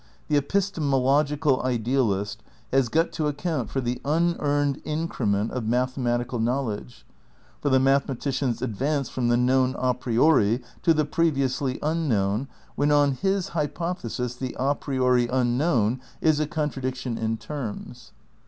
The epistemological idealist has got to ac count for the unearned increment of mathematical knowledge, for the mathematician's advance from the known a priori to the previously unknown, when on his hypothesis the a priori unknown is a contradiction ia terms.